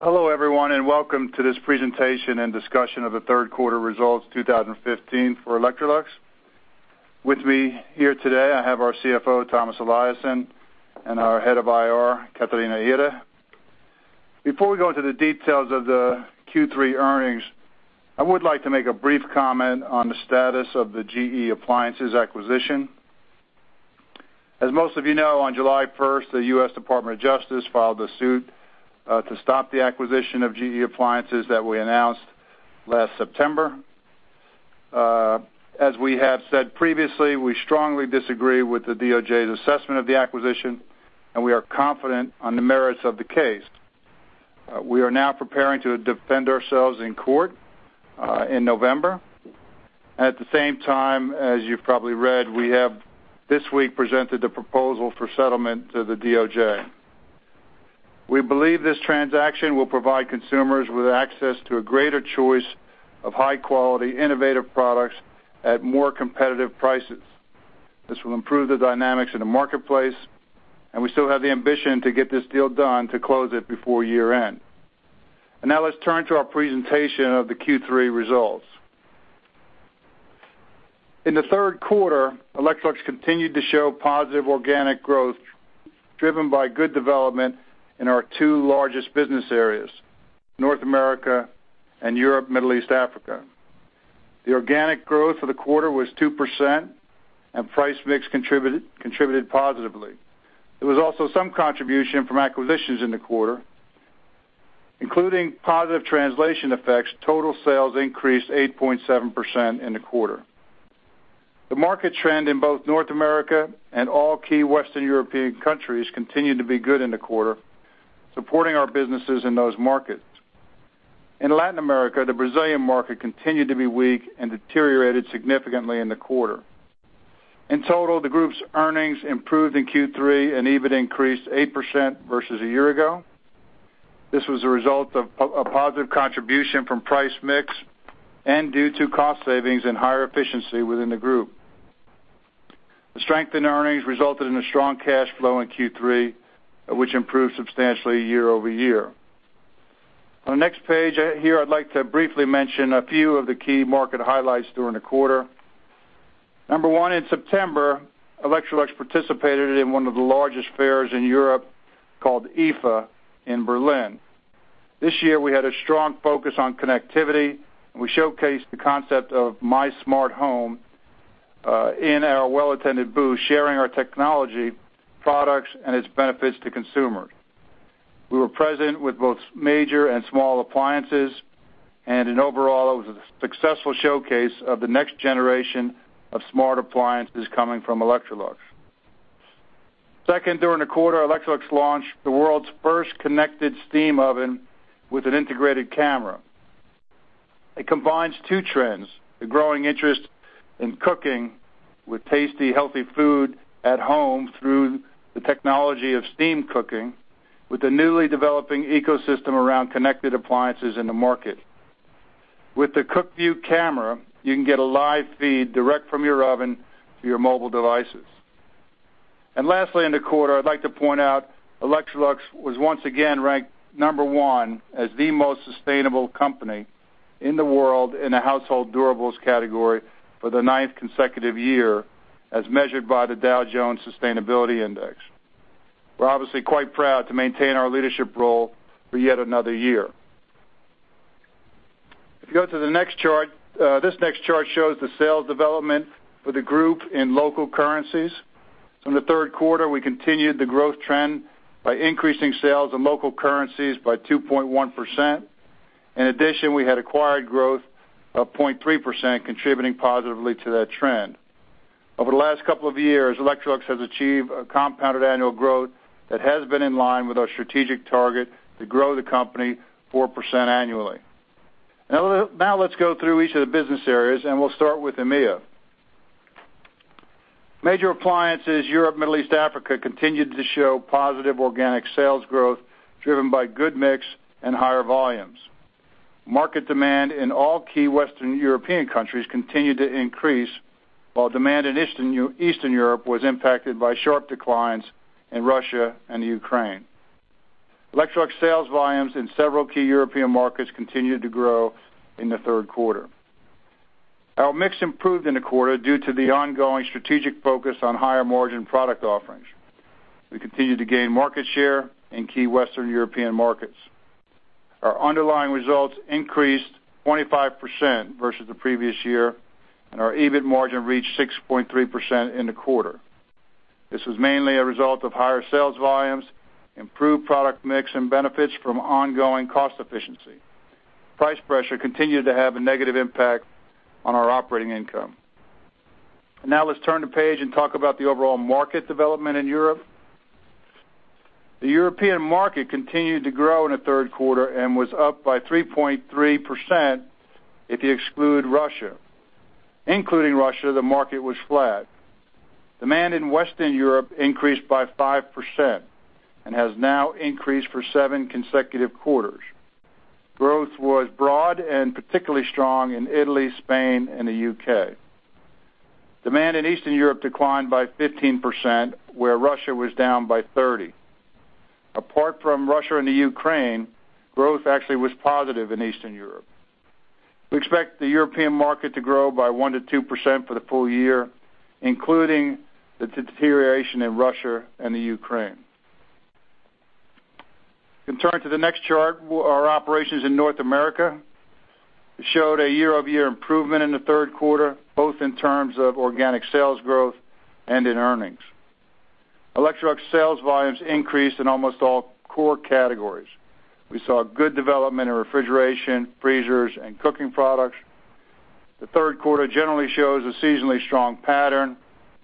Hello everyone, welcome to this presentation and discussion of the third quarter results 2015 for Electrolux. With me here today, I have our CFO, Tomas Eliasson, and our Head of IR, Catarina Ihre. Before we go into the details of the Q3 earnings, I would like to make a brief comment on the status of the GE Appliances acquisition. As most of you know, on July 1st, the U.S. Department of Justice filed a suit to stop the acquisition of GE Appliances that we announced last September. As we have said previously, we strongly disagree with the DOJ's assessment of the acquisition, and we are confident on the merits of the case. We are now preparing to defend ourselves in court in November. At the same time, as you've probably read, we have this week presented a proposal for settlement to the DOJ. We believe this transaction will provide consumers with access to a greater choice of high quality, innovative products at more competitive prices. This will improve the dynamics in the marketplace. We still have the ambition to get this deal done to close it before year-end. Now let's turn to our presentation of the Q3 results. In the third quarter, Electrolux continued to show positive organic growth, driven by good development in our two largest business areas, North America and EMEA. The organic growth for the quarter was 2%. Price mix contributed positively. There was also some contribution from acquisitions in the quarter, including positive translation effects, total sales increased 8.7% in the quarter. The market trend in both North America and all key Western European countries continued to be good in the quarter, supporting our businesses in those markets. In Latin America, the Brazilian market continued to be weak and deteriorated significantly in the quarter. In total, the group's earnings improved in Q3, and EBIT increased 8% versus a year ago. This was a result of a positive contribution from price mix and due to cost savings and higher efficiency within the group. The strength in earnings resulted in a strong cash flow in Q3, which improved substantially year-over-year. On the next page, here, I'd like to briefly mention a few of the key market highlights during the quarter. Number one, in September, Electrolux participated in one of the largest fairs in Europe, called IFA, in Berlin. This year, we had a strong focus on connectivity, and we showcased the concept of My Smart Home in our well-attended booth, sharing our technology, products, and its benefits to consumers. We were present with both major and small appliances, and in overall, it was a successful showcase of the next generation of smart appliances coming from Electrolux. Second, during the quarter, Electrolux launched the world's first connected steam oven with an integrated camera. It combines two trends, the growing interest in cooking with tasty, healthy food at home through the technology of steam cooking, with the newly developing ecosystem around connected appliances in the market. With the CookView camera, you can get a live feed direct from your oven to your mobile devices. Lastly, in the quarter, I'd like to point out Electrolux was once again ranked number 1 as the most sustainable company in the world in the household durables category for the 9th consecutive year, as measured by the Dow Jones Sustainability Index. We're obviously quite proud to maintain our leadership role for yet another year. If you go to the next chart, this next chart shows the sales development for the group in local currencies. In the third quarter, we continued the growth trend by increasing sales in local currencies by 2.1%. In addition, we had acquired growth of 0.3%, contributing positively to that trend. Over the last couple of years, Electrolux has achieved a compounded annual growth that has been in line with our strategic target to grow the company 4% annually. Let's go through each of the business areas, and we'll start with EMEA. Major Appliances Europe, Middle East, Africa, continued to show positive organic sales growth, driven by good mix and higher volumes. Market demand in all key Western European countries continued to increase, while demand in Eastern Europe was impacted by sharp declines in Russia and the Ukraine. Electrolux sales volumes in several key European markets continued to grow in the third quarter. Our mix improved in the quarter due to the ongoing strategic focus on higher-margin product offerings. We continued to gain market share in key Western European markets. Our underlying results increased 25% versus the previous year, and our EBIT margin reached 6.3% in the quarter. This was mainly a result of higher sales volumes, improved product mix, and benefits from ongoing cost efficiency. Price pressure continued to have a negative impact on our operating income. Now let's turn the page and talk about the overall market development in Europe. The European market continued to grow in the third quarter and was up by 3.3% if you exclude Russia. Including Russia, the market was flat. Demand in Western Europe increased by 5% and has now increased for 7 consecutive quarters. Growth was broad and particularly strong in Italy, Spain, and the U.K. Demand in Eastern Europe declined by 15%, where Russia was down by 30%. Apart from Russia and the Ukraine, growth actually was positive in Eastern Europe. We expect the European market to grow by 1%-2% for the full year, including the deterioration in Russia and the Ukraine. You can turn to the next chart, our operations in North America showed a year-over-year improvement in the third quarter, both in terms of organic sales growth and in earnings. Electrolux sales volumes increased in almost all core categories. We saw good development in refrigeration, freezers, and cooking products. The third quarter generally shows a seasonally strong pattern,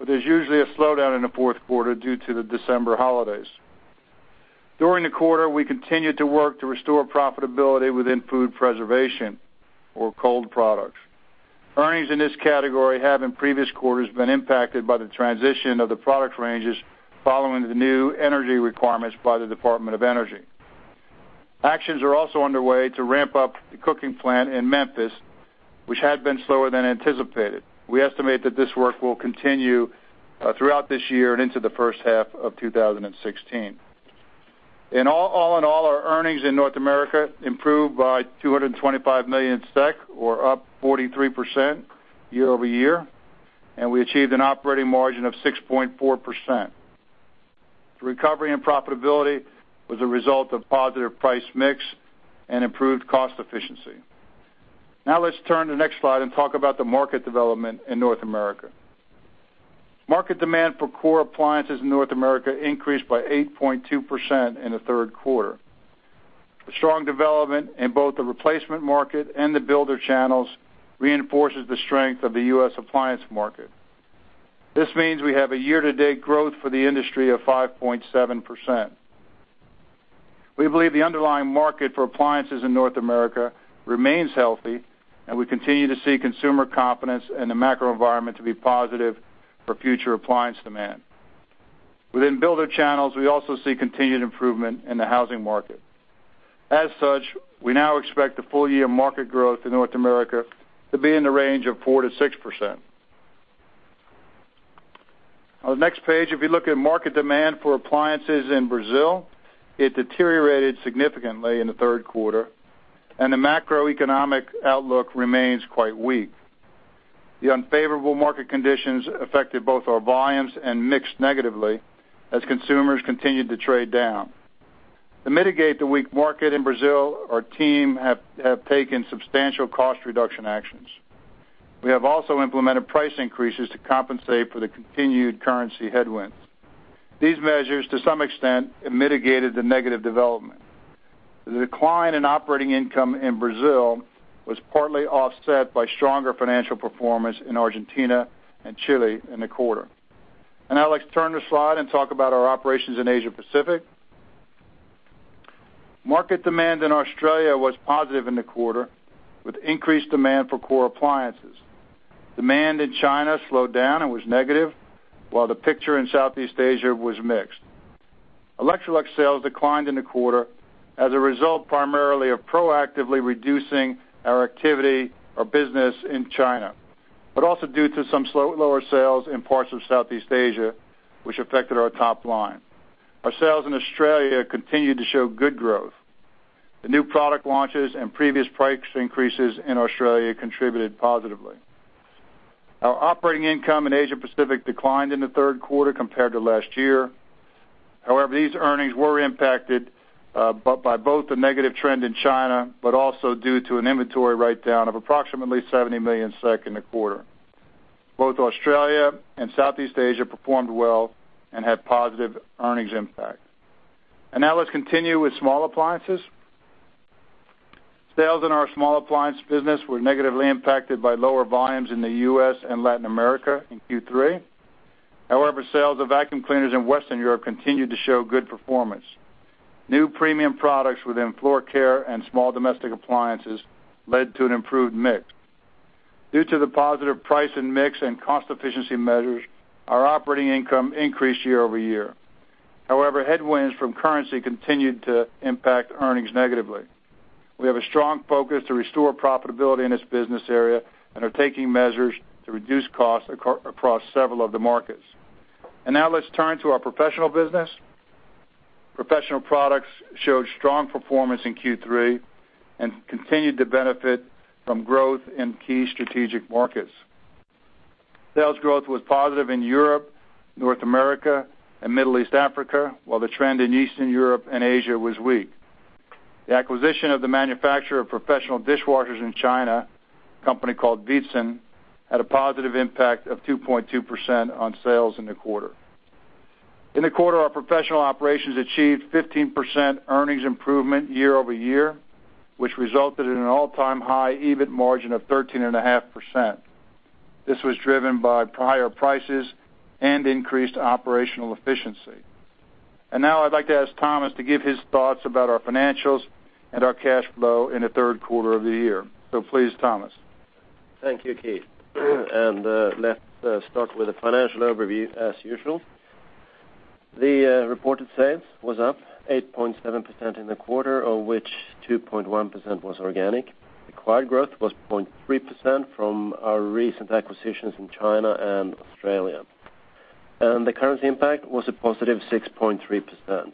there's usually a slowdown in the fourth quarter due to the December holidays. During the quarter, we continued to work to restore profitability within food preservation or cold products. Earnings in this category have, in previous quarters, been impacted by the transition of the product ranges following the new energy requirements by the U.S. Department of Energy. Actions are also underway to ramp up the cooking plant in Memphis, which had been slower than anticipated. We estimate that this work will continue throughout this year and into the first half of 2016. All in all, our earnings in North America improved by 225 million SEK, or up 43% year-over-year, and we achieved an operating margin of 6.4%. The recovery in profitability was a result of positive price mix and improved cost efficiency. Let's turn to the next slide and talk about the market development in North America. Market demand for core appliances in North America increased by 8.2% in the third quarter. The strong development in both the replacement market and the builder channels reinforces the strength of the U.S. appliance market. This means we have a year-to-date growth for the industry of 5.7%. We believe the underlying market for appliances in North America remains healthy, and we continue to see consumer confidence and the macro environment to be positive for future appliance demand. Within builder channels, we also see continued improvement in the housing market. As such, we now expect the full year market growth in North America to be in the range of 4%-6%. On the next page, if you look at market demand for appliances in Brazil, it deteriorated significantly in the third quarter. The macroeconomic outlook remains quite weak. The unfavorable market conditions affected both our volumes and mix negatively as consumers continued to trade down. To mitigate the weak market in Brazil, our team have taken substantial cost reduction actions. We have also implemented price increases to compensate for the continued currency headwinds. These measures, to some extent, mitigated the negative development. The decline in operating income in Brazil was partly offset by stronger financial performance in Argentina and Chile in the quarter. Now let's turn the slide and talk about our operations in Asia Pacific. Market demand in Australia was positive in the quarter, with increased demand for core appliances. Demand in China slowed down and was negative, while the picture in Southeast Asia was mixed. Electrolux sales declined in the quarter as a result, primarily of proactively reducing our activity or business in China, but also due to some lower sales in parts of Southeast Asia, which affected our top line. Our sales in Australia continued to show good growth. The new product launches and previous price increases in Australia contributed positively. Our operating income in Asia Pacific declined in the third quarter compared to last year. However, these earnings were impacted by both the negative trend in China, but also due to an inventory write-down of approximately 70 million SEK in the quarter. Both Australia and Southeast Asia performed well and had positive earnings impact. Now let's continue with small appliances. Sales in our small appliance business were negatively impacted by lower volumes in the US and Latin America in Q3. However, sales of vacuum cleaners in Western Europe continued to show good performance. New premium products within floor care and small domestic appliances led to an improved mix. Due to the positive price and mix and cost efficiency measures, our operating income increased year-over-year. However, headwinds from currency continued to impact earnings negatively. We have a strong focus to restore profitability in this business area and are taking measures to reduce costs across several of the markets. Now let's turn to our professional business. Professional products showed strong performance in Q3 and continued to benefit from growth in key strategic markets. Sales growth was positive in Europe, North America, and Middle East Africa, while the trend in Eastern Europe and Asia was weak. The acquisition of the manufacturer of professional dishwashers in China, a company called Veetsan, had a positive impact of 2.2% on sales in the quarter. In the quarter, our professional operations achieved 15% earnings improvement year-over-year, which resulted in an all-time high EBIT margin of 13.5%. This was driven by prior prices and increased operational efficiency. Now I'd like to ask Tomas to give his thoughts about our financials and our cash flow in the third quarter of the year. Please, Tomas. Thank you, Keith. Let's start with the financial overview, as usual. The reported sales was up 8.7% in the quarter, of which 2.1% was organic. Acquired growth was 0.3% from our recent acquisitions in China and Australia. The currency impact was a positive 6.3%.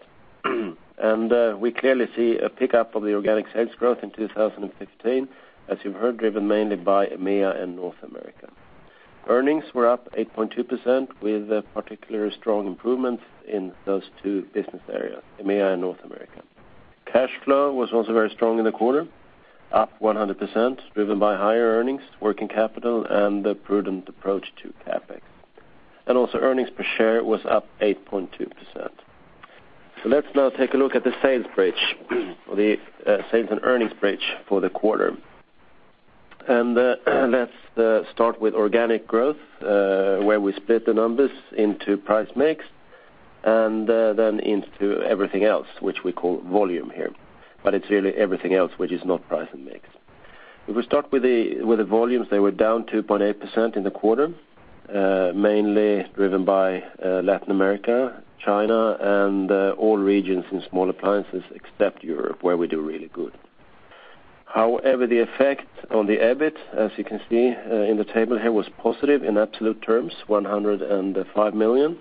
We clearly see a pickup of the organic sales growth in 2015, as you've heard, driven mainly by EMEA and North America. Earnings were up 8.2%, with a particularly strong improvement in those two business areas, EMEA and North America. Cash flow was also very strong in the quarter, up 100%, driven by higher earnings, working capital, and a prudent approach to CapEx. Also earnings per share was up 8.2%. Let's now take a look at the sales bridge, the sales and earnings bridge for the quarter. Let's start with organic growth, where we split the numbers into price mix, then into everything else, which we call volume here. It's really everything else, which is not price and mix. If we start with the volumes, they were down 2.8% in the quarter, mainly driven by Latin America, China, and all regions in small appliances except Europe, where we do really good. However, the effect on the EBIT, as you can see in the table here, was positive in absolute terms, 105 million,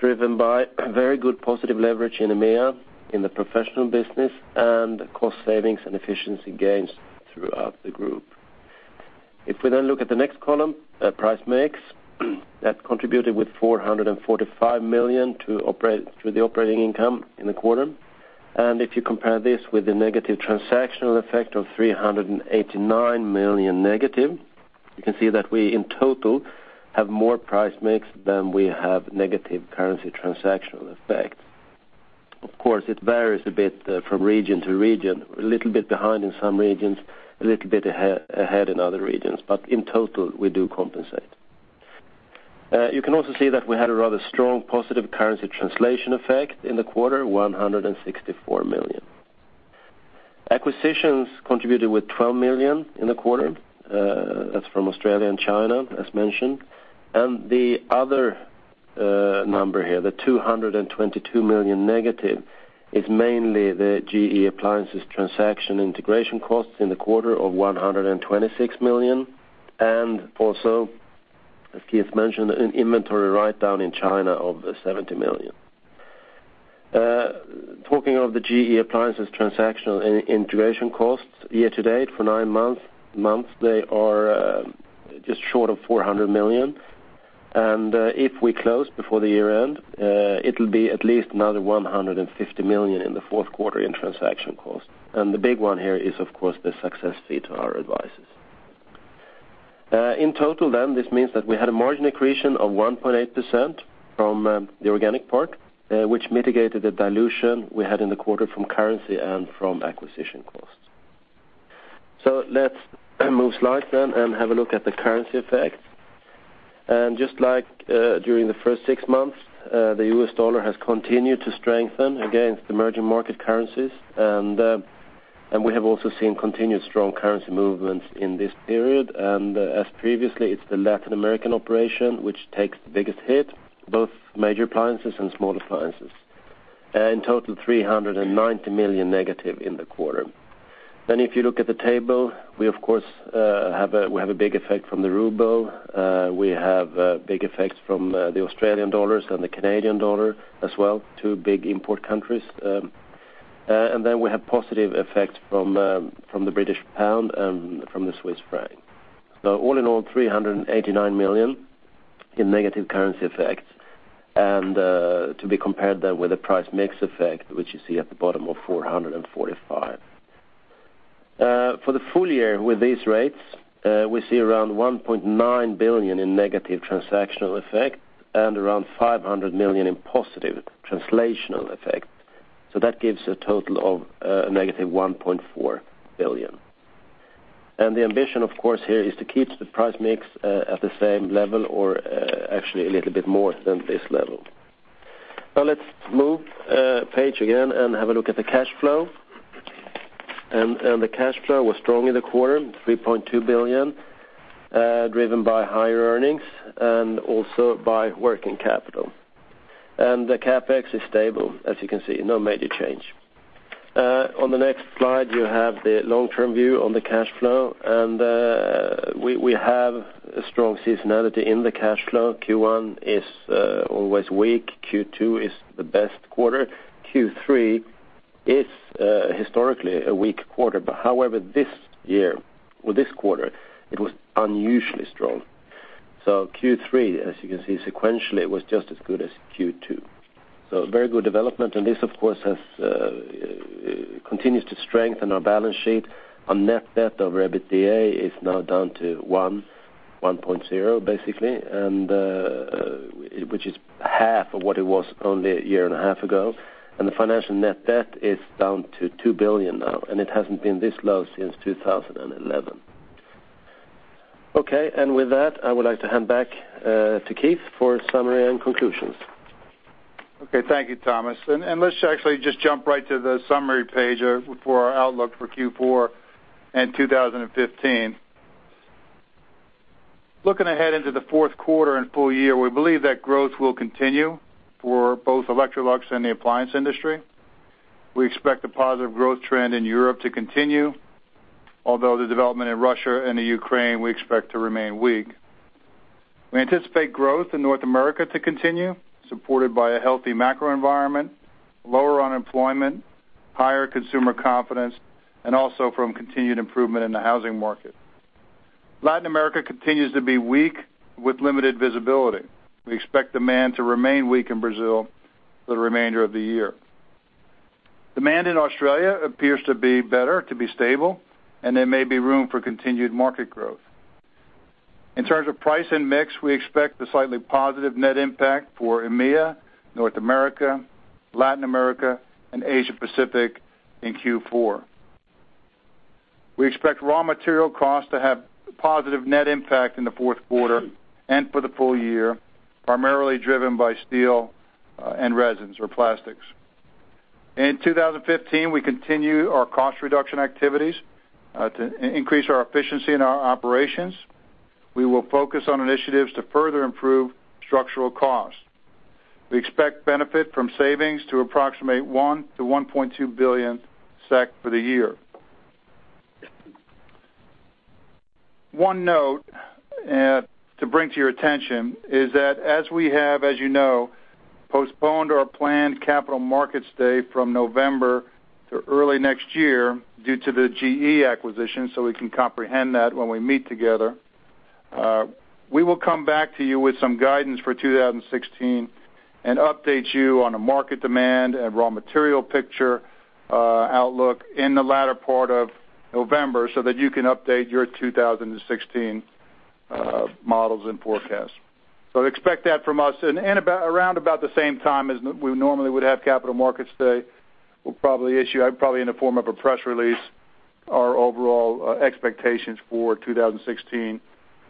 driven by very good positive leverage in EMEA, in the professional business, and cost savings and efficiency gains throughout the group. If we look at the next column, price mix, that contributed with 445 million to the operating income in the quarter. If you compare this with the negative transactional effect of 389 million negative, you can see that we, in total, have more price mix than we have negative currency transactional effects. Of course, it varies a bit from region to region, a little bit behind in some regions, a little bit ahead in other regions, but in total, we do compensate. You can also see that we had a rather strong positive currency translation effect in the quarter, 164 million. Acquisitions contributed with 12 million in the quarter. That's from Australia and China, as mentioned. The other number here, the negative 222 million, is mainly the GE Appliances transaction integration costs in the quarter of 126 million, and also, as Keith mentioned, an inventory write-down in China of 70 million. Talking of the GE Appliances transactional in-integration costs, year to date, for nine months, they are just short of 400 million. If we close before the year end, it'll be at least another 150 million in the fourth quarter in transaction costs. The big one here is, of course, the success fee to our advisors. In total, then, this means that we had a margin accretion of 1.8% from the organic part, which mitigated the dilution we had in the quarter from currency and from acquisition costs. Let's move slides then and have a look at the currency effect. Just like during the first six months, the U.S. dollar has continued to strengthen against emerging market currencies, and we have also seen continued strong currency movements in this period. As previously, it's the Latin American operation, which takes the biggest hit, both major appliances and small appliances. In total, 390 million negative in the quarter. If you look at the table, we, of course, have a big effect from the ruble. We have big effects from the Australian dollars and the Canadian dollar as well, two big import countries. We have positive effects from the British pound and from the Swiss franc. All in all, 389 million in negative currency effects, and to be compared then with the price mix effect, which you see at the bottom of 445 million. For the full year, with these rates, we see around 1.9 billion in negative transactional effect and around 500 million in positive translational effect. That gives a total of negative 1.4 billion. The ambition, of course, here is to keep the price mix at the same level or actually a little bit more than this level. Now let's move page again and have a look at the cash flow. The cash flow was strong in the quarter, 3.2 billion, driven by higher earnings and also by working capital. The CapEx is stable, as you can see, no major change. On the next slide, you have the long-term view on the cash flow, we have a strong seasonality in the cash flow. Q1 is always weak. Q2 is the best quarter. Q3 is historically a weak quarter. However, this year, or this quarter, it was unusually strong. Q3, as you can see, sequentially, was just as good as Q2. Very good development, this, of course, continues to strengthen our balance sheet. Our net debt of EBITDA is now down to 1.0, basically, which is half of what it was only a year and a half ago. The financial net debt is down to 2 billion now, it hasn't been this low since 2011. Okay. With that, I would like to hand back to Keith for summary and conclusions. Okay. Thank you, Tomas. Let's actually just jump right to the summary page for our outlook for Q4 and 2015. Looking ahead into the fourth quarter and full year, we believe that growth will continue for both Electrolux and the appliance industry. We expect a positive growth trend in Europe to continue, although the development in Russia and Ukraine, we expect to remain weak. We anticipate growth in North America to continue, supported by a healthy macro environment, lower unemployment, higher consumer confidence, and also from continued improvement in the housing market. Latin America continues to be weak with limited visibility. We expect demand to remain weak in Brazil for the remainder of the year. Demand in Australia appears to be better, to be stable, and there may be room for continued market growth. In terms of price and mix, we expect a slightly positive net impact for EMEA, North America, Latin America, and Asia Pacific in Q4. We expect raw material costs to have positive net impact in the fourth quarter and for the full year, primarily driven by steel and resins or plastics. In 2015, we continue our cost reduction activities to increase our efficiency in our operations. We will focus on initiatives to further improve structural costs. We expect benefit from savings to approximate 1 billion-1.2 billion SEK for the year. One note, to bring to your attention is that as we have, as you know, postponed our planned Capital Markets Day from November to early next year due to the GE acquisition. We can comprehend that when we meet together, we will come back to you with some guidance for 2016 and update you on a market demand and raw material picture, outlook in the latter part of November so that you can update your 2016 models and forecasts. Expect that from us, and about, around about the same time as we normally would have Capital Markets Day, we'll probably issue, probably in the form of a press release, our overall expectations for 2016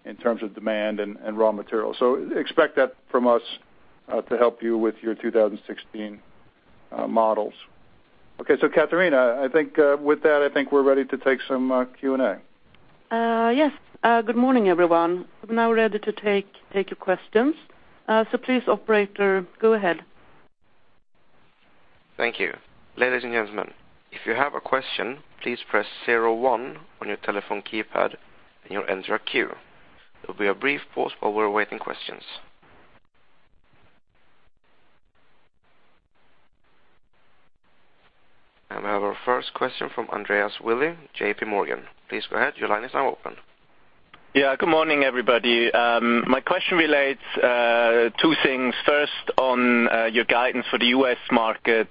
in terms of demand and raw materials. Expect that from us to help you with your 2016 models. Okay, Catarina, I think with that, I think we're ready to take some Q&A. Yes. Good morning, everyone. We're now ready to take your questions. Please operator, go ahead. Thank you. Ladies and gentlemen, if you have a question, please press zero one on your telephone keypad, and you'll enter a queue. There'll be a brief pause while we're awaiting questions. We have our first question from Andreas Willi, JPMorgan. Please go ahead. Your line is now open. Good morning, everybody. My question relates two things. First, on your guidance for the U.S. market,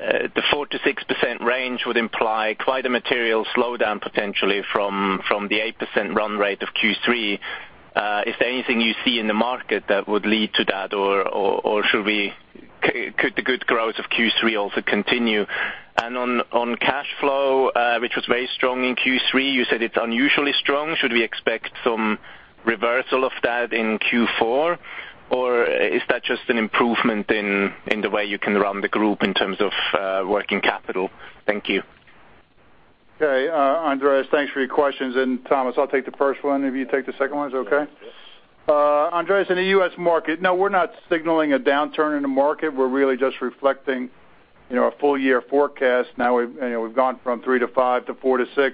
the 4%-6% range would imply quite a material slowdown, potentially from the 8% run rate of Q3. Is there anything you see in the market that would lead to that, or should we could the good growth of Q3 also continue? On cash flow, which was very strong in Q3, you said it's unusually strong. Should we expect some reversal of that in Q4, or is that just an improvement in the way you can run the group in terms of working capital? Thank you. Okay Andreas, thanks for your questions. Tomas, I'll take the first one if you take the second one, is okay? Yes. Andreas, in the U.S. market, no we're not signaling a downturn in the market. We're really just reflecting, you know, a full year forecast. Now we've, you know, we've gone from 3%-5% to 4%-6%.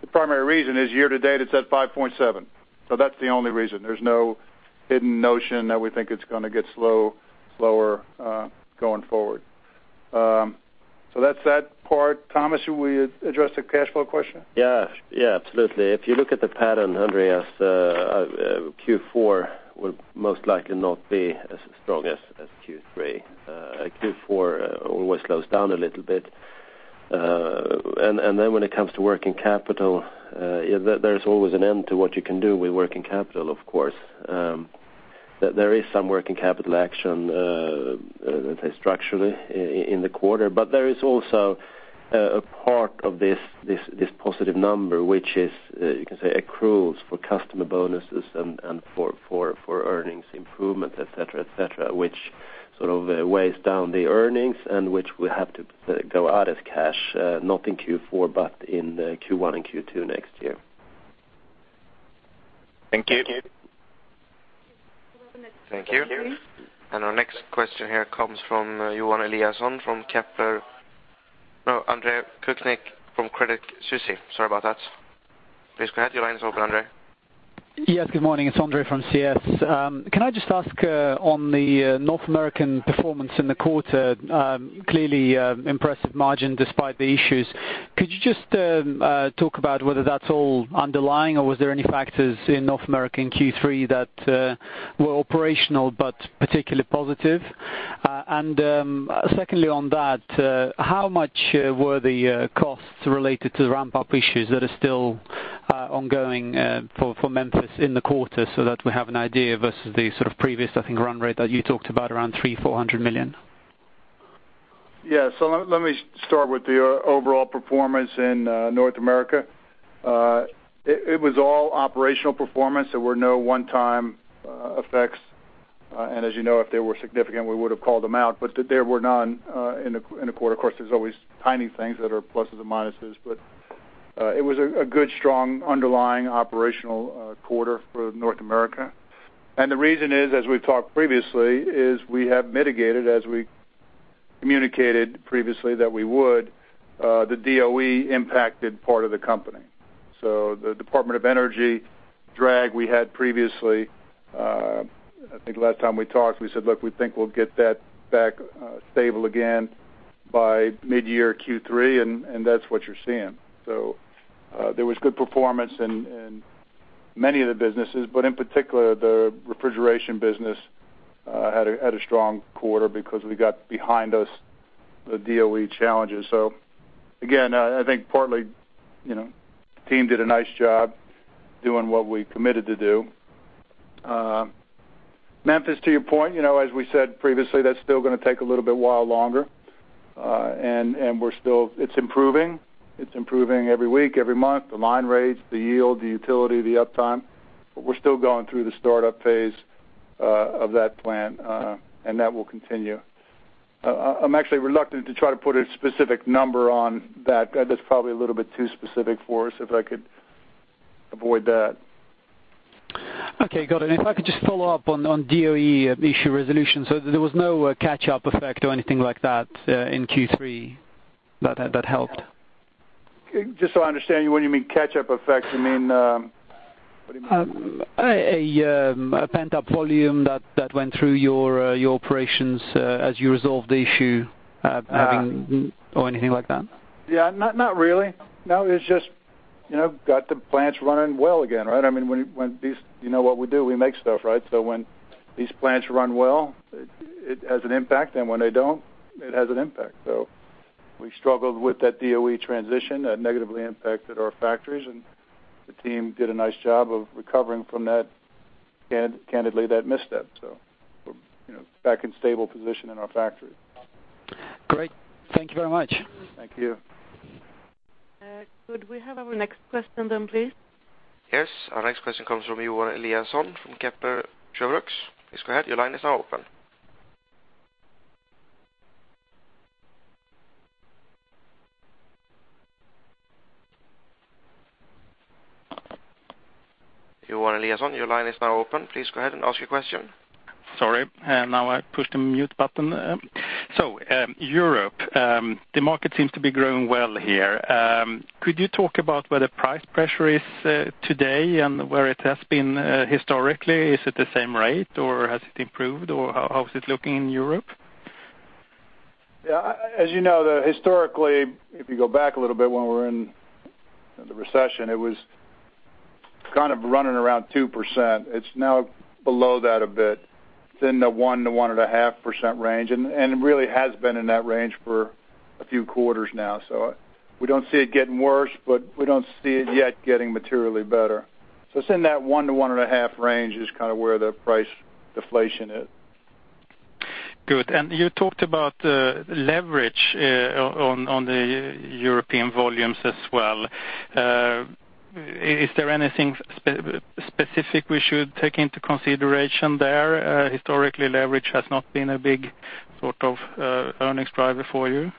The primary reason is year to date, it's at 5.7%. That's the only reason. There's no hidden notion that we think it's gonna get slow, slower, going forward. That's that part. Thomas, will you address the cash flow question? Yeah, absolutely. If you look at the pattern, Andreas, Q4 will most likely not be as strong as Q3. Q4 always slows down a little bit. Then when it comes to working capital, there's always an end to what you can do with working capital, of course. There is some working capital action, let's say, structurally in the quarter, but there is also, a part of this positive number, which is, you can say, accruals for customer bonuses and for earnings improvement, et cetera, et cetera, which sort of weighs down the earnings and which will have to go out as cash, not in Q4, but in Q1 and Q2 next year. Thank you. Thank you. Our next question here comes from Andre Kuklik from Credit Suisse. Sorry about that. Please go ahead. Your line is open, Andre. Yes, good morning. It's Andre from CS. Can I just ask on the North American performance in the quarter, clearly impressive margin despite the issues. Could you just talk about whether that's all underlying, or was there any factors in North American Q3 that were operational but particularly positive? Secondly, on that, how much were the costs related to the ramp-up issues that are still ongoing for Memphis in the quarter so that we have an idea versus the sort of previous, I think, run rate that you talked about around 300 million-400 million? Let me start with the overall performance in North America. It was all operational performance. There were no one-time effects. As you know, if they were significant, we would have called them out, but there were none in the quarter. Of course, there's always tiny things that are pluses and minuses. It was a good, strong underlying operational quarter for North America. The reason is, as we've talked previously, is we have mitigated, as we communicated previously, that we would, the DOE impacted part of the company. The Department of Energy drag we had previously, I think last time we talked, we said, look, we think we'll get that back stable again by mid-year Q3, and that's what you're seeing. There was good performance in many of the businesses, but in particular, the refrigeration business had a strong quarter because we got behind us, the DOE challenges. Again, I think partly, you know, the team did a nice job doing what we committed to do. Memphis, to your point, you know, as we said previously, that's still going to take a little bit while longer, and it's improving. It's improving every week, every month, the line rates, the yield, the utility, the uptime, but we're still going through the startup phase of that plant, and that will continue. I'm actually reluctant to try to put a specific number on that. That's probably a little bit too specific for us, if I could avoid that. Okay, got it. If I could just follow up on DOE issue resolution. There was no catch-up effect or anything like that in Q3 that helped? Just so I understand, when you mean catch-up effect, you mean, what do you mean? A pent-up volume that went through your operations, as you resolved the issue, or anything like that? Not really. It's just, you know, got the plants running well again, right? I mean, when these - you know what we do, we make stuff, right? When these plants run well, it has an impact, and when they don't, it has an impact. We struggled with that DOE transition that negatively impacted our factories, and the team did a nice job of recovering from that, and candidly, that misstep. You know, back in stable position in our factory. Great. Thank you very much. Thank you. Could we have our next question then, please? Our next question comes from Johan Eliason from Kepler Cheuvreux. Please go ahead. Your line is now open. Johan Eliason, your line is now open. Please go ahead and ask your question. Sorry, now I pushed the mute button. Europe, the market seems to be growing well here. Could you talk about where the price pressure is today and where it has been historically? Is it the same rate, or has it improved, or how is it looking in Europe? Yeah, as you know, historically, if you go back a little bit, when we were in the recession, it was kind of running around 2%. It's now below that a bit, it's in the 1%-1.5% range, and it really has been in that range for a few quarters now. We don't see it getting worse, but we don't see it yet getting materially better. It's in that 1%-1.5% range is kind of where the price deflation is. Good. You talked about leverage on the European volumes as well. Is there anything specific we should take into consideration there? Historically, leverage has not been a big sort of earnings driver for you.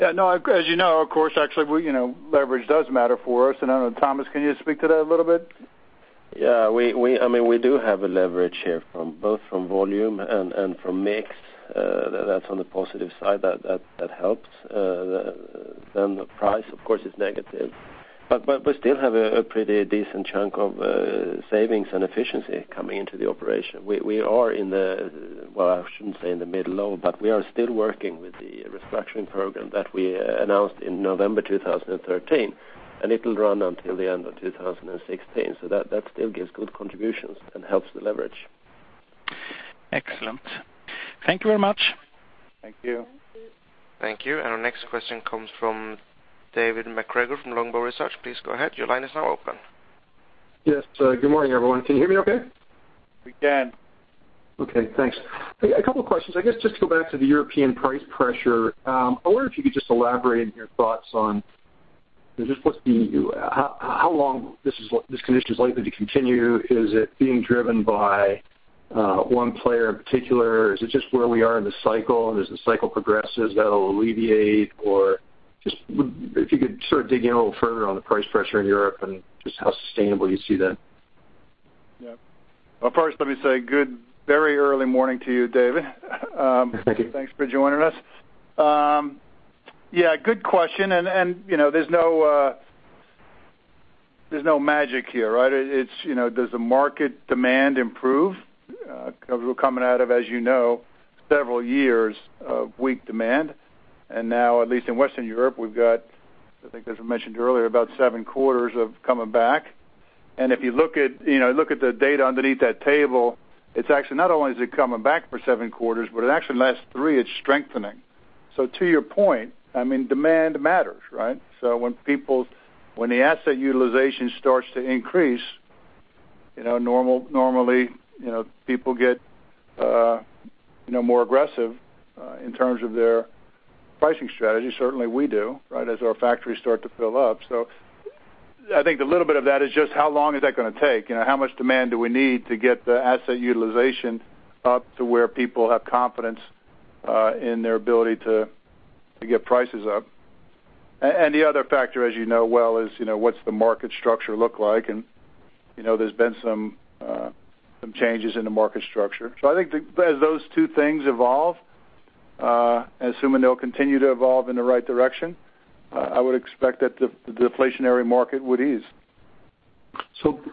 Yeah no, as you know, of course, actually, we you know, leverage does matter for us. I don't know, Tomas, can you speak to that a little bit? Yeah, we I mean, we do have a leverage here from both from volume and from mix, that's on the positive side, that helps. The price, of course, is negative, but we still have a pretty decent chunk of savings and efficiency coming into the operation. We are in the, well, I shouldn't say in the mid-low, but we are still working with the restructuring program that we announced in November 2013, and it will run until the end of 2016. That still gives good contributions and helps the leverage. Excellent. Thank you very much. Thank you. Thank you. Our next question comes from David MacGregor from Longbow Research. Please go ahead. Your line is now open. Yes, good morning everyone. Can you hear me okay? We can. Okay, thanks. A couple of questions. I guess, just to go back to the European price pressure, I wonder if you could just elaborate on your thoughts on just how long this condition is likely to continue? Is it being driven by one player in particular? Is it just where we are in the cycle, and as the cycle progresses, that'll alleviate? Or just if you could sort of dig in a little further on the price pressure in Europe and just how sustainable you see that. Yeah. Well first, let me say good, very early morning to you, David. Thank you. Thanks for joining us. Yeah, good question, and you know, there's no, there's no magic here, right? It's, you know, does the market demand improve? Because we're coming out of, as you know, several years of weak demand, and now, at least in Western Europe, we've got, I think, as I mentioned earlier, about seven quarters of coming back. If you look at, you know, look at the data underneath that table, it's actually not only is it coming back for seven quarters, but it actually last three, it's strengthening. To your point, I mean, demand matters, right? When the asset utilization starts to increase, you know, normally, you know, people get, you know, more aggressive, in terms of their pricing strategy. Certainly, we do, right, as our factories start to fill up. I think the little bit of that is just how long is that gonna take? You know, how much demand do we need to get the asset utilization up to where people have confidence, in their ability to get prices up? The other factor, as you know well, is, you know, what's the market structure look like? You know, there's been some changes in the market structure. I think as those two things evolve, assuming they'll continue to evolve in the right direction, I would expect that the deflationary market would ease.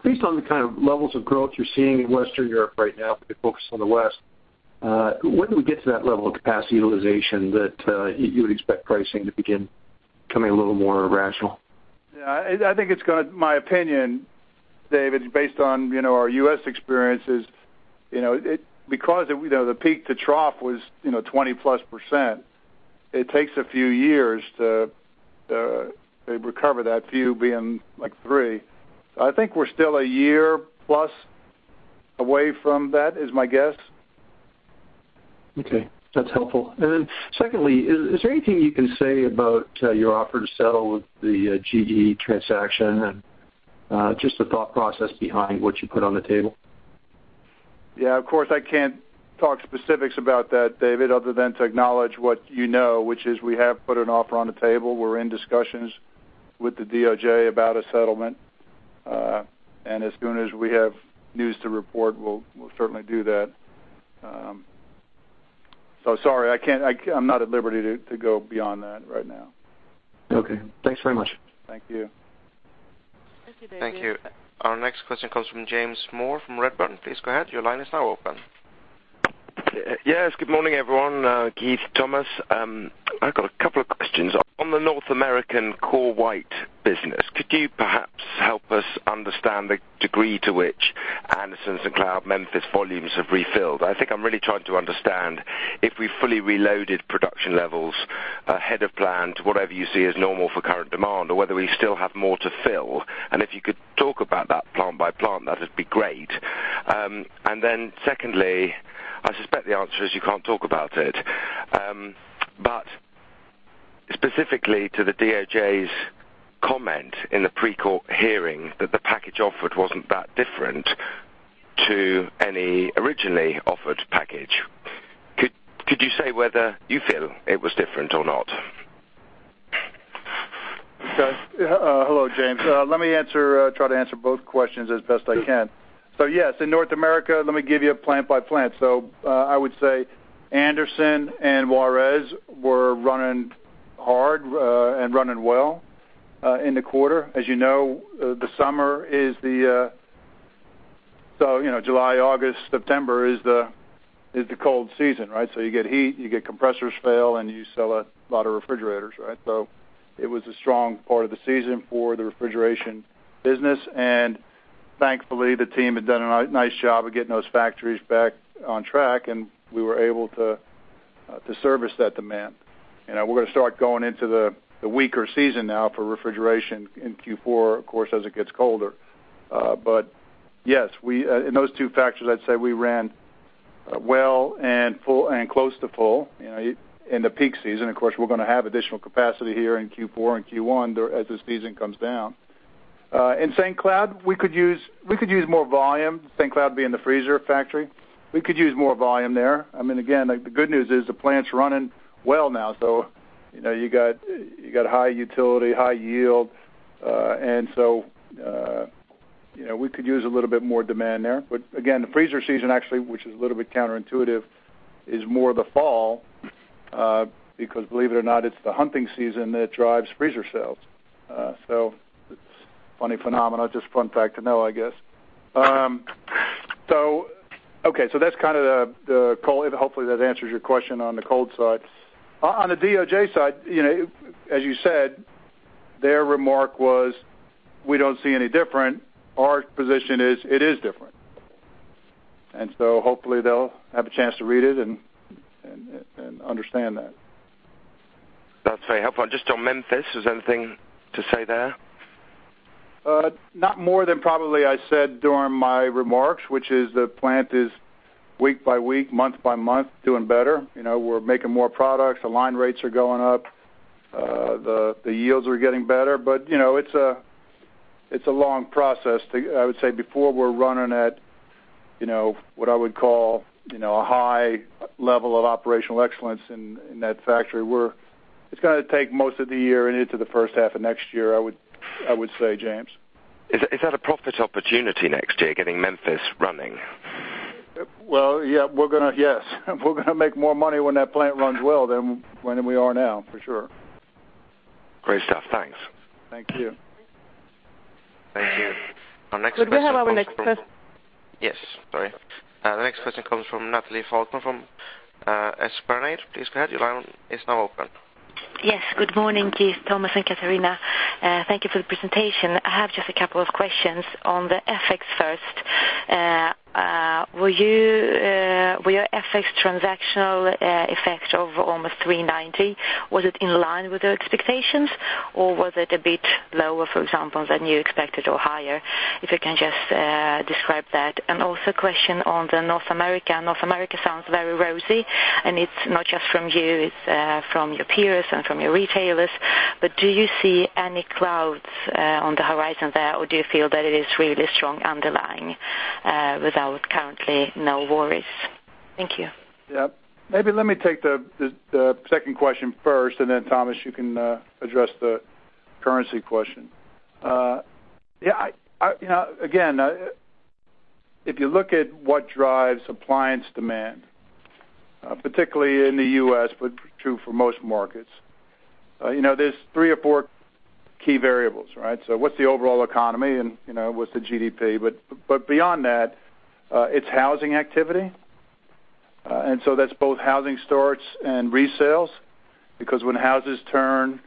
Based on the kind of levels of growth you're seeing in Western Europe right now, the focus on the West, when do we get to that level of capacity utilization that you would expect pricing to begin becoming a little more rational? I think my opinion, David, based on, you know, our U.S. experiences, you know, because, you know, the peak to trough was, you know, 20-plus %, it takes a few years to recover that, few being, like, 3. I think we're still a year-plus away from that, is my guess. Okay, that's helpful. Secondly, is there anything you can say about your offer to settle with the GE transaction, and just the thought process behind what you put on the table? Yeah, of course I can't talk specifics about that David, other than to acknowledge what you know, which is we have put an offer on the table. We're in discussions with the DOJ about a settlement. As soon as we have news to report, we'll certainly do that. Sorry, I can't, I'm not at liberty to go beyond that right now. Okay, thanks very much. Thank you. Thank you. Our next question comes from James Moore from Redburn. Please go ahead. Your line is now open. Yes, good morning everyone, Keith, Tomas. I've got a couple of questions. On the North American core white business, could you perhaps help us understand the degree to which Anderson and St. Cloud, Memphis volumes have refilled? I think I'm really trying to understand if we fully reloaded production levels ahead of plan to whatever you see as normal for current demand, or whether we still have more to fill. If you could talk about that plant by plant, that'd be great. Secondly, I suspect the answer is you can't talk about it. Specifically to the DOJ's comment in the pre-court hearing, that the package offered wasn't that different to any originally offered package. Could you say whether you feel it was different or not? Hello, James. Let me answer, try to answer both questions as best I can. Yes, in North America, let me give you a plant by plant. I would say Anderson and Juarez were running hard and running well in the quarter. As you know, the summer is the, you know, July, August, September is the cold season, right? You get heat, you get compressors fail, and you sell a lot of refrigerators, right? It was a strong part of the season for the refrigeration business, and thankfully the team had done a nice job of getting those factories back on track, and we were able to service that demand. We're gonna start going into the weaker season now for refrigeration in Q4, of course, as it gets colder. Yes, in those two factors, I'd say we ran well and full and close to full, you know, in the peak season. Of course, we're gonna have additional capacity here in Q4 and Q1, there, as this season comes down. In St. Cloud, we could use more volume. St. Cloud being the freezer factory, we could use more volume there. I mean, again, the good news is the plant's running well now, so you know, you got high utility, high yield. And so, you know, we could use a little bit more demand there. Again, the freezer season, actually, which is a little bit counterintuitive, is more the fall, because believe it or not, it's the hunting season that drives freezer sales. It's funny phenomenon. Just fun fact to know, I guess. Okay, so that's kind of the call, and hopefully, that answers your question on the cold side. On the DOJ side, you know, as you said, their remark was: We don't see any different. Our position is: It is different. Hopefully, they'll have a chance to read it and understand that. That's very helpful. Just on Memphis, is there anything to say there? Not more than probably I said during my remarks, which is the plant is week by week, month by month, doing better. You know, we're making more products, the line rates are going up, the yields are getting better. You know, it's a, it's a long process to... I would say, before we're running at, you know, what I would call, you know, a high level of operational excellence in that factory, it's gonna take most of the year and into the first half of next year, I would say, James. Is that a profit opportunity next year, getting Memphis running? Well, yeah. Yes. We're gonna make more money when that plant runs well than when we are now, for sure. Great stuff. Thanks. Thank you. Thank you. Our next question - Could we have our next question? Yes, sorry. The next question comes from Natalie Faulkner from Esplanade. Please go ahead, your line is now open. Yes, good morning Keith, Tomas, and Catarina. Thank you for the presentation. I have just a couple of questions on the FX first. We are FX transactional effect of almost 390. Was it in line with your expectations, or was it a bit lower, for example, than you expected or higher? If you can just describe that. Also question on the North America. North America sounds very rosy, and it's not just from you, it's from your peers and from your retailers. Do you see any clouds on the horizon there, or do you feel that it is really strong underlying without currently no worries? Thank you. Yeah. Maybe let me take the second question first, and then, Tomas, you can address the currency question. Yeah, I - you know, again, if you look at what drives appliance demand, particularly in the U.S., but true for most markets, you know, there's three or four key variables, right? What's the overall economy and you know, what's the GDP? But beyond that, it's housing activity, that's both housing starts and resales, because when houses turn,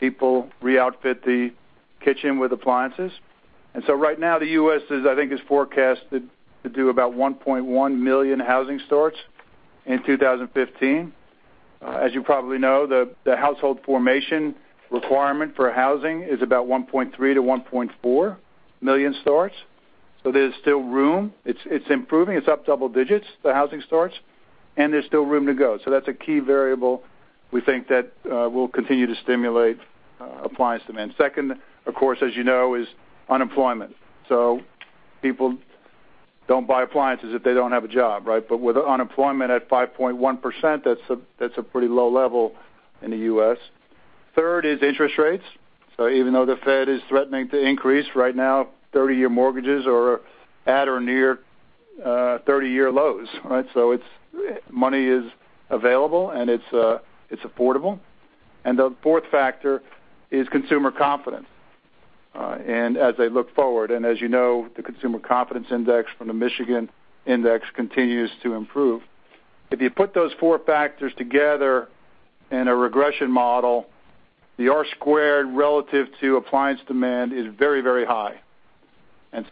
people re-outfit the kitchen with appliances. Right now, the U.S. is, I think, is forecasted to do about 1.1 million housing starts in 2015. As you probably know, the household formation requirement for housing is about 1.3 million-1.4 million starts. There's still room. It's improving, it's up double digits, the housing starts, and there's still room to go. That's a key variable we think that will continue to stimulate appliance demand. Second, of course, as you know, is unemployment. People don't buy appliances if they don't have a job, right? With unemployment at 5.1%, that's a pretty low level in the U.S. Third is interest rates. Even though the Fed is threatening to increase right now, 30-year mortgages are at or near 30-year lows, right? Money is available, and it's affordable. The fourth factor is consumer confidence. As I look forward, and as you know, the consumer confidence index from the Michigan index continues to improve. If you put those four factors together in a regression model, the R-squared relative to appliance demand is very, very high.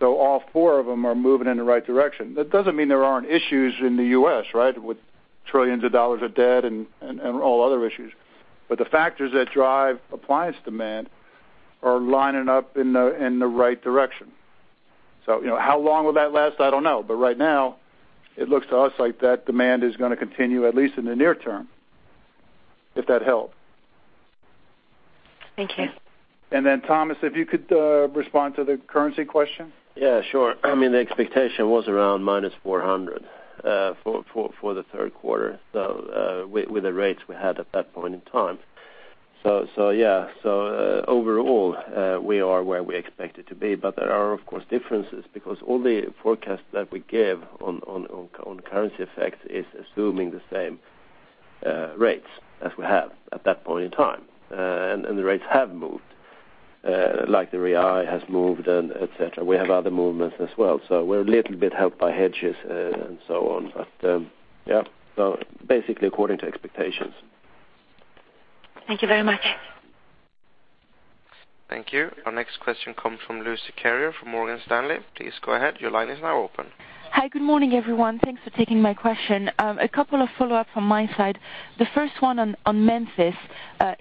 All four of them are moving in the right direction. That doesn't mean there aren't issues in the U.S., right, with trillions of dollars of debt and all other issues. The factors that drive appliance demand are lining up in the right direction. You know, how long will that last? I don't know. Right now, it looks to us like that demand is gonna continue, at least in the near term, if that helped. Thank you. Tomas, if you could, respond to the currency question. Yeah, sure. I mean the expectation was around minus 400 for the third quarter with the rates we had at that point in time. Overall, we are where we expected to be, but there are, of course, differences, because all the forecasts that we give on currency effects is assuming the same rates as we have at that point in time. The rates have moved, like the BRL has moved and et cetera. We have other movements as well. We're a little bit helped by hedges and so on. Basically, according to expectations. Thank you very much. Thank you. Our next question comes from Lucie Carrier from Morgan Stanley. Please go ahead. Your line is now open. Hi, good morning, everyone. Thanks for taking my question. A couple of follow-ups on my side. The first one on Memphis.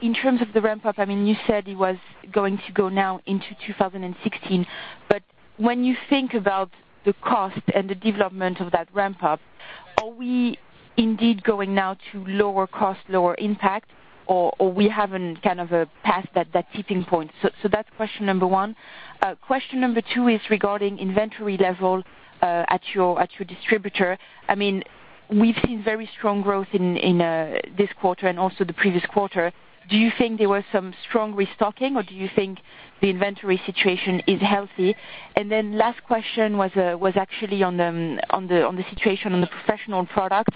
In terms of the ramp up, I mean, you said it was going to go now into 2016, but when you think about the cost and the development of that ramp up, are we indeed going now to lower cost, lower impact, or we haven't passed that tipping point? That's question number one. Question number two is regarding inventory level at your distributor. I mean, we've seen very strong growth in this quarter and also the previous quarter. Do you think there was some strong restocking, or do you think the inventory situation is healthy? Last question was actually on the situation on the professional product.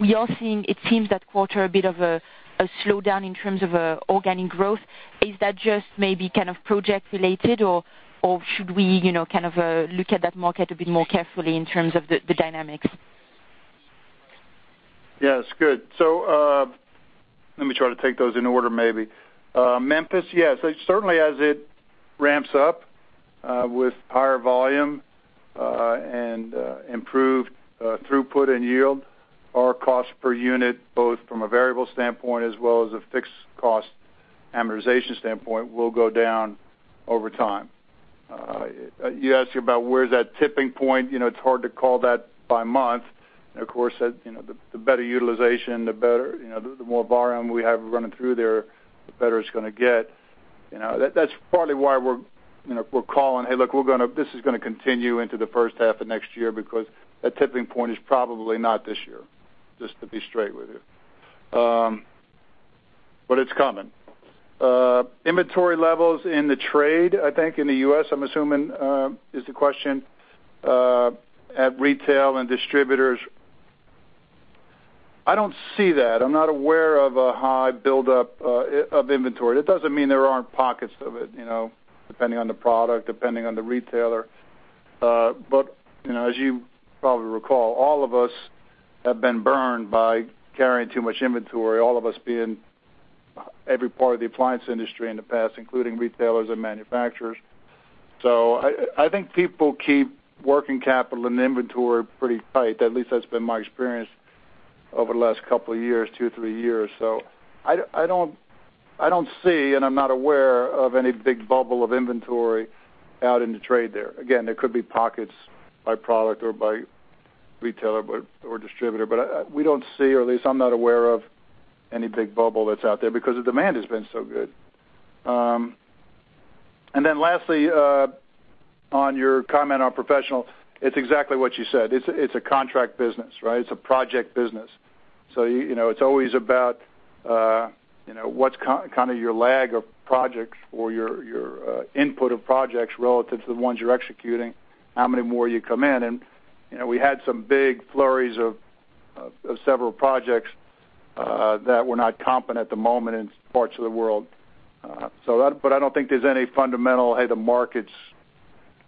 We are seeing, it seems that quarter, a bit of a slowdown in terms of organic growth. Is that just maybe kind of project related, or should we, you know, kind of look at that market a bit more carefully in terms of the dynamics? Yes, good. Let me try to take those in order, maybe. Memphis, yes, certainly as it ramps up with higher volume and improved throughput and yield, our cost per unit, both from a variable standpoint as well as a fixed cost amortization standpoint, will go down over time. You asked about where's that tipping point? You know, it's hard to call that by month. Of course, you know, the better utilization, the better, you know, the more volume we have running through there, the better it's gonna get. You know, that's partly why we're, you know, we're calling, hey look, this is gonna continue into the first half of next year, because that tipping point is probably not this year, just to be straight with you. It's coming. Inventory levels in the trade, I think, in the U.S., I'm assuming, is the question, at retail and distributors. I don't see that. I'm not aware of a high buildup of inventory. It doesn't mean there aren't pockets of it, you know, depending on the product, depending on the retailer. You know, as you probably recall, all of us have been burned by carrying too much inventory, all of us being every part of the appliance industry in the past, including retailers and manufacturers. I think people keep working capital and inventory pretty tight. At least that's been my experience over the last couple of years, two, three years. I don't, I don't see, and I'm not aware of any big bubble of inventory out in the trade there. There could be pockets by product or by retailer, or distributor, but we don't see, or at least I'm not aware of any big bubble that's out there because the demand has been so good. Lastly, on your comment on professional, it's exactly what you said. It's a contract business, right? It's a project business. You know, it's always about, you know, what's kind of your lag of projects or your input of projects relative to the ones you're executing, how many more you come in. You know, we had some big flurries of several projects that we're not comping at the moment in parts of the world. But I don't think there's any fundamental, hey, the market's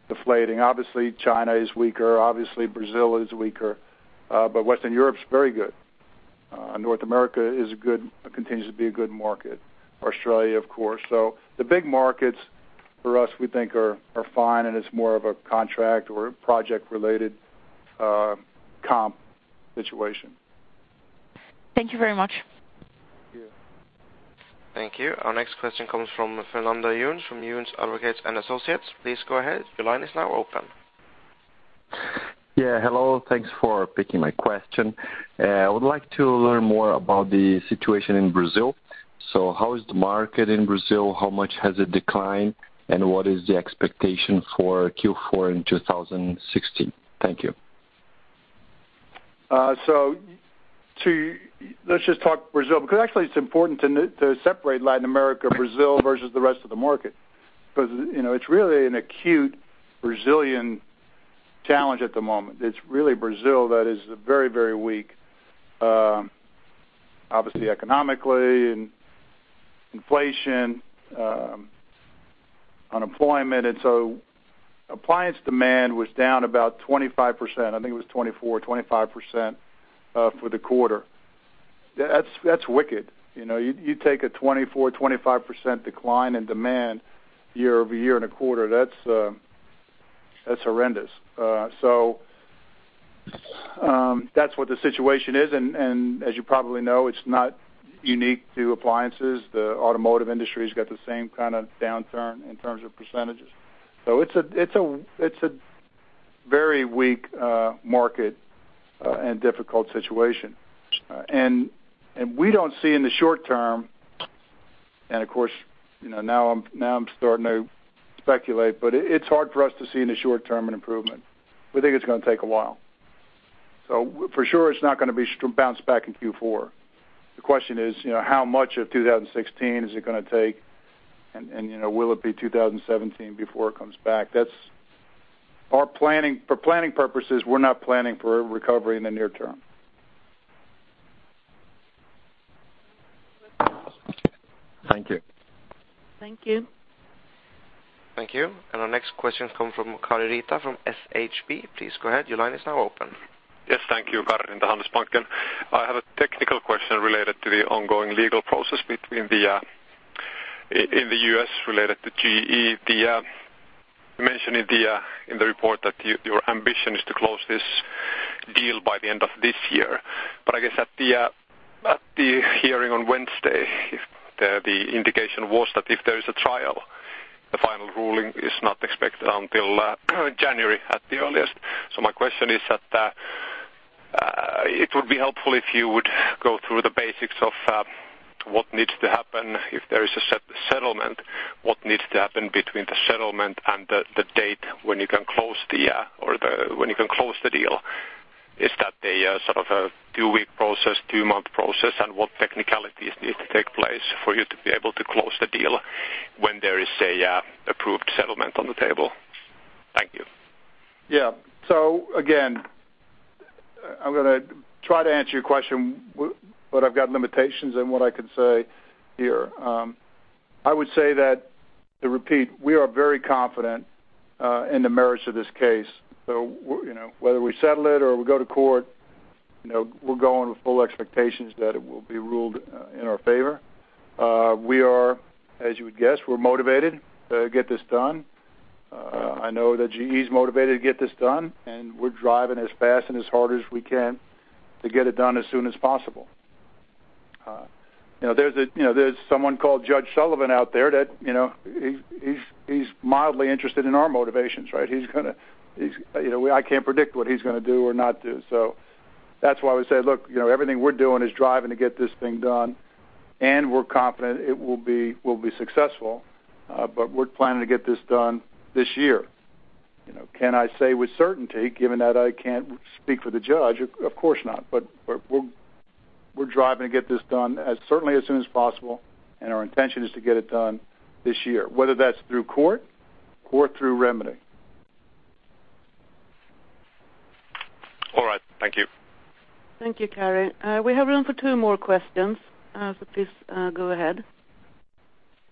deflating. Obviously, China is weaker. Obviously, Brazil is weaker, but Western Europe's very good. North America is good, continues to be a good market. Australia, of course. The big markets for us, we think are fine, and it's more of a contract or project-related, comp situation. Thank you very much. Yeah. Thank you. Our next question comes from Fernando Younes, from Younes Advocates and Associates. Please go ahead. Your line is now open. Yeah, hello, thanks for picking my question. I would like to learn more about the situation in Brazil. How is the market in Brazil? How much has it declined, and what is the expectation for Q4 in 2016? Thank you. Let's just talk Brazil, because actually it's important to separate Latin America, Brazil, versus the rest of the market. You know, it's really an acute Brazilian challenge at the moment. It's really Brazil that is very weak, obviously, economically, and inflation, unemployment. Appliance demand was down about 25%. I think it was 24%-25% for the quarter. That's wicked. You know, you take a 24%-25% decline in demand year-over-year and a quarter, that's horrendous. That's what the situation is, and as you probably know, it's not unique to appliances. The automotive industry's got the same kind of downturn in terms of percentages. It's a very weak market and difficult situation. We don't see in the short term, and of course, you know, now I'm starting to speculate, but it's hard for us to see in the short term an improvement. We think it's gonna take a while. For sure, it's not gonna be bounce back in Q4. The question is, you know, how much of 2016 is it gonna take? You know, will it be 2017 before it comes back? That's our planning. For planning purposes, we're not planning for a recovery in the near term. Thank you. Thank you. Thank you. Our next question comes from Karri Rinta from SHB. Please go ahead. Your line is now open. Yes, thank you, Karri Rinta, Handelsbanken. I have a technical question related to the ongoing legal process in the U.S. related to GE. You mentioned in the report that your ambition is to close this deal by the end of this year. I guess at the hearing on Wednesday, the indication was that if there is a trial, the final ruling is not expected until January at the earliest. My question is that it would be helpful if you would go through the basics of what needs to happen if there is a settlement, what needs to happen between the settlement and the date when you can close the deal? Is that a sort of a two-week process, two-month process, and what technicalities need to take place for you to be able to close the deal when there is a approved settlement on the table? Thank you. Yeah. Again, I'm gonna try to answer your question, but I've got limitations on what I can say here. I would say that, to repeat, we are very confident in the merits of this case. You know, whether we settle it or we go to court, you know, we're going with full expectations that it will be ruled in our favor. We are, as you would guess, we're motivated to get this done. I know that GE is motivated to get this done, and we're driving as fast and as hard as we can to get it done as soon as possible. You know, there's a, you know, there's someone called Judge Sullivan out there that, you know, he's mildly interested in our motivations, right? You know, I can't predict what he's gonna do or not do. That's why we say, look, you know, everything we're doing is driving to get this thing done, and we're confident it will be successful, but we're planning to get this done this year. You know, can I say with certainty, given that I can't speak for the judge? Of course not. We're driving to get this done as certainly as soon as possible, and our intention is to get it done this year, whether that's through court or through remedy. All right. Thank you. Thank you, Karri. We have room for two more questions, so please, go ahead.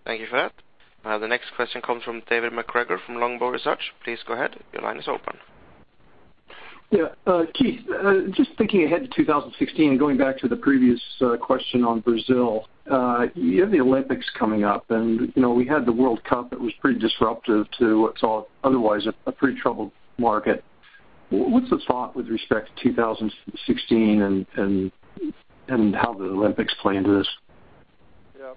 Thank you for that. The next question comes from David MacGregor from Longbow Research. Please go ahead. Your line is open. Yeah, Keith, just thinking ahead to 2016 and going back to the previous question on Brazil, you have the Olympics coming up, and, you know, we had the World Cup that was pretty disruptive to what saw otherwise a pretty troubled market. What's the thought with respect to 2016 and how the Olympics play into this? Yeah.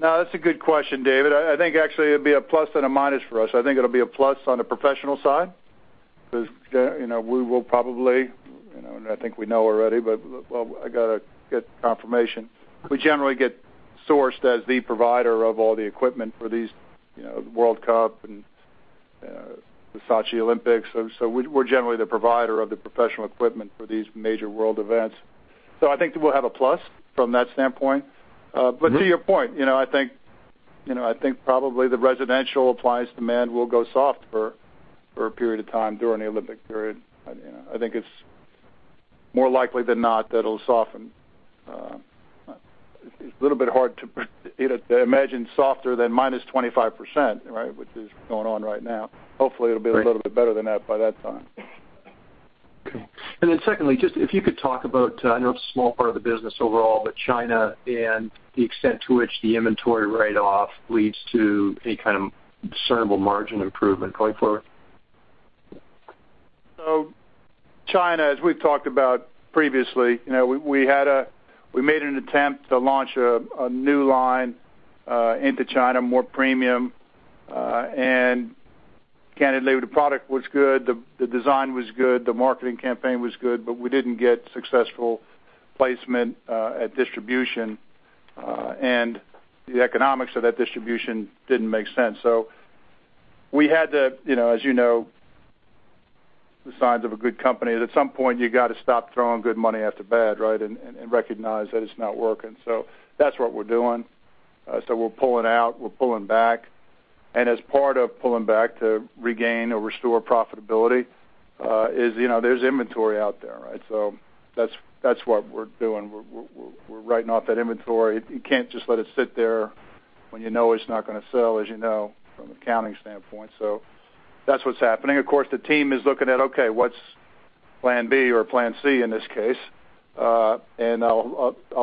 No, that's a good question, David. I think actually it'd be a plus and a minus for us. I think it'll be a plus on the professional side, because, you know, we will probably, you know, and I think we know already, but, well, I got to get confirmation. We generally get sourced as the provider of all the equipment for these, you know, World Cup and the Sochi Olympics. We're generally the provider of the professional equipment for these major world events. I think we'll have a plus from that standpoint. To your point, you know, I think, you know, I think probably the residential appliance demand will go soft for a period of time during the Olympic period. I think it's more likely than not that it'll soften. It's a little bit hard to, you know, to imagine softer than -25%, right? Which is going on right now. Hopefully, it'll be a little bit better than that by that time. Okay. Secondly, just if you could talk about, I know it's a small part of the business overall, but China and the extent to which the inventory write-off leads to any kind of discernible margin improvement going forward. China, as we've talked about previously, you know, We made an attempt to launch a new line into China, more premium, and candidly, the product was good, the design was good, the marketing campaign was good, but we didn't get successful placement at distribution, and the economics of that distribution didn't make sense. We had to, you know, as you know, the signs of a good company, at some point, you got to stop throwing good money after bad, right? recognize that it's not working. That's what we're doing. We're pulling out, we're pulling back. As part of pulling back to regain or restore profitability, is, you know, there's inventory out there, right? That's what we're doing. We're writing off that inventory. You can't just let it sit there when you know it's not going to sell, as you know, from an accounting standpoint. That's what's happening. Of course, the team is looking at, okay, what's plan B or plan C in this case? I'll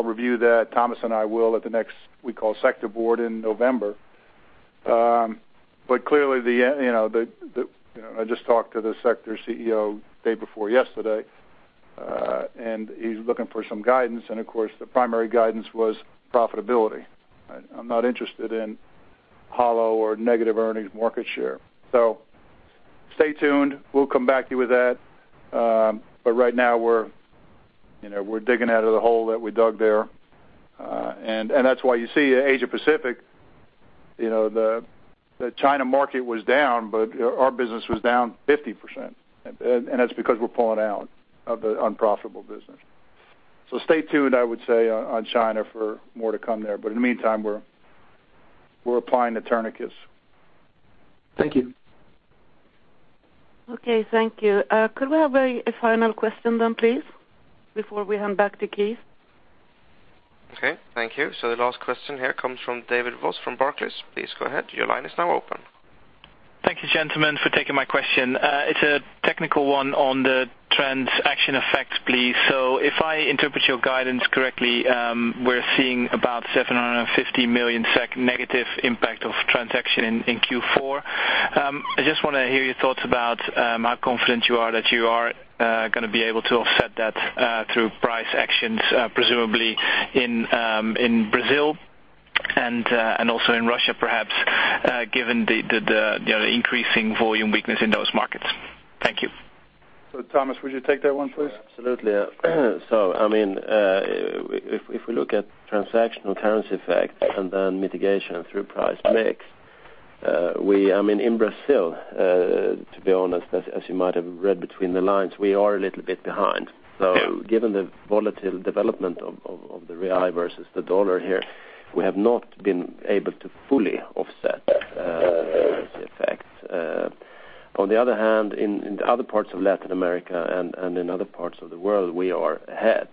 review that, Tomas and I will, at the next, we call, sector board in November. Clearly, I just talked to the sector CEO day before yesterday, and he's looking for some guidance. Of course, the primary guidance was profitability, right? I'm not interested in hollow or negative earnings market share. Stay tuned. We'll come back to you with that. Right now, we're, you know, we're digging out of the hole that we dug there. That's why you see Asia Pacific, you know, the China market was down. Our business was down 50%. That's because we're pulling out of the unprofitable business. Stay tuned, I would say, on China for more to come there. In the meantime, we're applying the tourniquets. Thank you. Okay, thank you. Could we have a final question then please, before we hand back to Keith? Okay, thank you. The last question here comes from David Vos from Barclays. Please go ahead. Your line is now open. Thank you, gentlemen, for taking my question. It's a technical one on the transaction effect, please. If I interpret your guidance correctly, we're seeing about 750 million SEK negative impact of transaction in Q4. I just want to hear your thoughts about how confident you are that you are going to be able to offset that through price actions, presumably in Brazil and also in Russia, perhaps, given the increasing volume weakness in those markets. Thank you. Tomas, would you take that one, please? Sure, absolutely. I mean if we look at transactional currency effects and then mitigation through price mix, I mean, in Brazil, to be honest, as you might have read between the lines, we are a little bit behind. Given the volatile development of the BRL versus the USD here, we have not been able to fully offset the effects. On the other hand, in other parts of Latin America and in other parts of the world, we are ahead.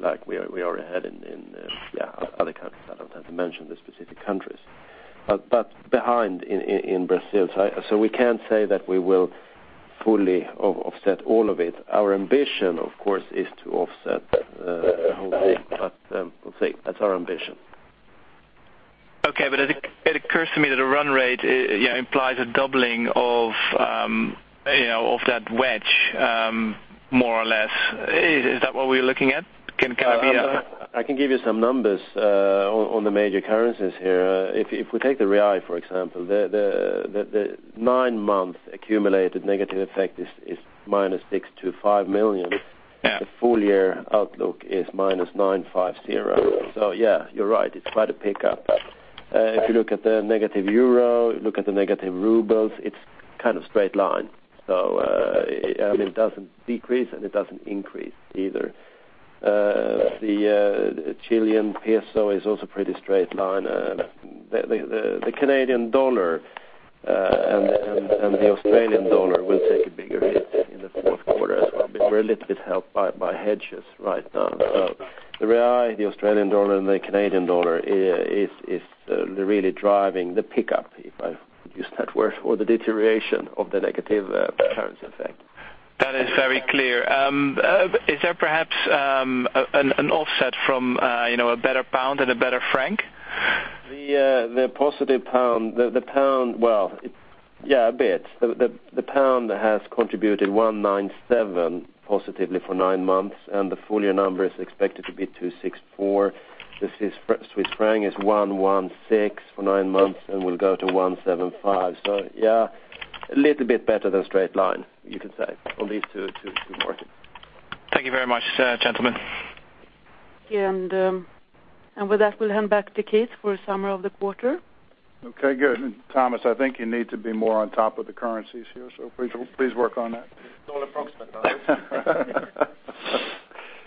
Like, we are ahead in, yeah, other countries. I don't have to mention the specific countries, but behind in Brazil. We can't say that we will fully offset all of it. Our ambition, of course, is to offset the whole, but we'll say that's our ambition. Okay, it occurs to me that a run rate, you know, implies a doubling of, you know, of that wedge, more or less. Is that what we're looking at? I can give you some numbers, on the major currencies here. If we take the BRL, for example, the 9-month accumulated negative effect is minus 6 million to 5 million. Yeah. The full year outlook is -950. Yeah, you're right, it's quite a pickup. If you look at the negative euro, look at the negative rubles, it's kind of straight line. I mean, it doesn't decrease, and it doesn't increase either. The Chilean peso is also pretty straight line. The Canadian dollar and the Australian dollar will take a bigger hit in the fourth quarter as well. We're a little bit helped by hedges right now. The real, the Australian dollar, and the Canadian dollar is really driving the pickup, if I use that word, or the deterioration of the negative currency effect. That is very clear. Is there perhaps, an offset from, you know, a better Pound and a better Franc? The positive pound, the pound, well, yeah, a bit. The pound has contributed 197 positively for nine months, and the full year number is expected to be 264. The Swiss franc is 116 for nine months and will go to 175. Yeah, a little bit better than straight line, you could say, on these two markets. Thank you very much, gentlemen. With that, we'll hand back to Keith for a summary of the quarter. Okay, good. Tomas, I think you need to be more on top of the currencies here, so please work on that. Dollar approximately.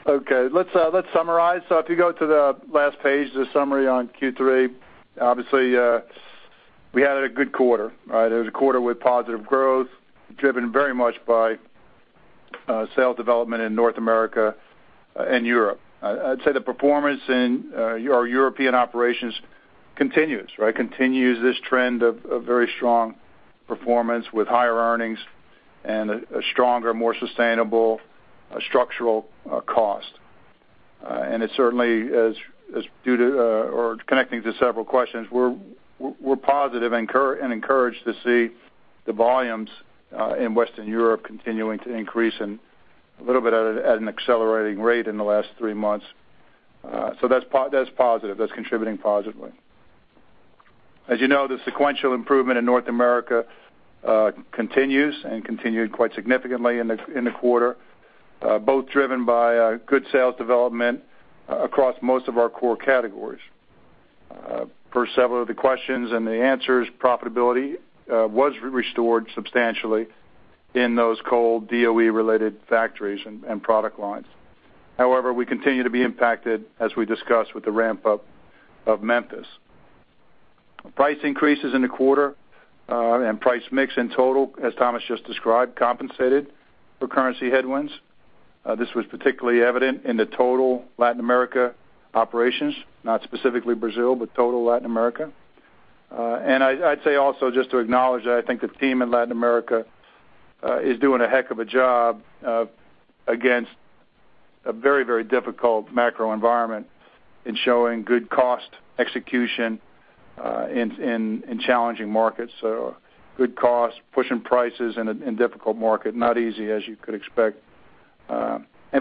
Okay, let's summarize. If you go to the last page, the summary on Q3, obviously, we had a good quarter, right? It was a quarter with positive growth, driven very much by sales development in North America and Europe. I'd say the performance in our European operations continues, right? Continues this trend of very strong performance with higher earnings and a stronger, more sustainable, structural cost. It certainly is due to, or connecting to several questions, we're positive and encouraged to see the volumes in Western Europe continuing to increase and a little bit at an accelerating rate in the last 3 months. That's positive. That's contributing positively. As you know, the sequential improvement in North America continues and continued quite significantly in the quarter, both driven by good sales development across most of our core categories. For several of the questions and the answers, profitability was restored substantially in those cold DOE-related factories and product lines. However, we continue to be impacted, as we discussed, with the ramp-up of Memphis. Price increases in the quarter, and price mix in total, as Tomas just described, compensated for currency headwinds. This was particularly evident in the total Latin America operations, not specifically Brazil, but total Latin America. I'd say also, just to acknowledge that I think the team in Latin America is doing a heck of a job against a very, very difficult macro environment in showing good cost execution in challenging markets. Good cost, pushing prices in a difficult market, not easy as you could expect.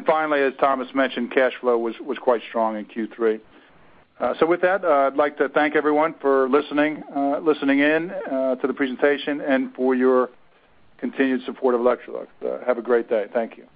Finally, as Tomas mentioned, cash flow was quite strong in Q3. With that, I'd like to thank everyone for listening in to the presentation and for your continued support of Electrolux. Have a great day. Thank you.